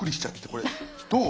これどう？